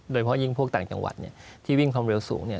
โดยเพราะยิ่งพวกต่างจังหวัดที่วิ่งความเร็วสูง